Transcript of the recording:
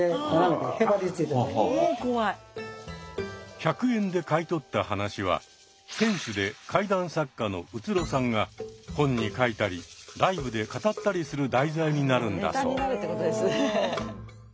１００円で買い取った話は店主で怪談作家の宇津呂さんが本に書いたりライブで語ったりする題材になるんだそう。